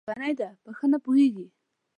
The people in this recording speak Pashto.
لېونۍ ده ، په ښه نه پوهېږي!